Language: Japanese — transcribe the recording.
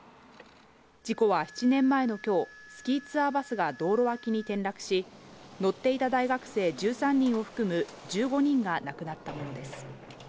事故は７年前のきょう、スキーツアーバスが道路脇に転落し、乗っていた大学生１３人を含む１５人が亡くなったものです。